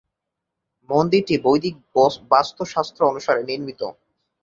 মন্দিরটি বৈদিক বাস্তু শাস্ত্র অনুসারে নির্মিত।